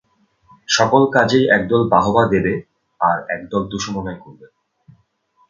সকল কাজেই একদল বাহবা দেবে, আর একদল দুষমনাই করবে।